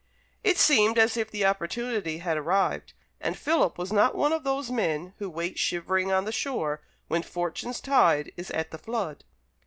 It seemed as if the opportunity had arrived, and Philip was not one of those men who wait shivering on the shore when Fortune's tide is at the flood.